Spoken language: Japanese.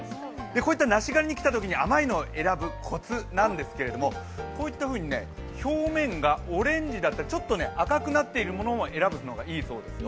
こういった梨狩りに来たときに甘いのを選ぶコツなんですけれどもこういった表面がオレンジだったりちょっと赤くなっているものを選ぶといいそうですよ。